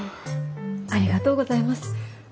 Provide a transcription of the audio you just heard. ありがとうございます。